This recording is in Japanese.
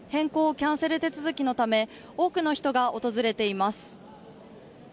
・キャンセル手続きのため、多くの人が訪れています。